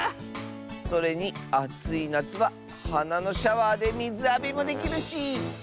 それにあついなつははなのシャワーでみずあびもできるし。